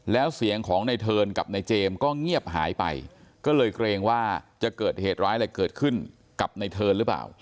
แล้วเสียงของในเทิร์นกับนายเจมส์ก็เงียบหายไปก็เลยเกรงว่าจะเกิดเหตุร้ายอะไรเกิดขึ้นกับในเทิร์นหรือเปล่า